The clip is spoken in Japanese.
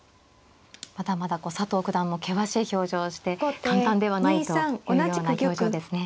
まだまだ佐藤九段も険しい表情をして簡単ではないというような表情ですね。